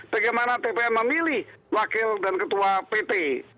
bagaimana tpm memilih wakil dan ketua pt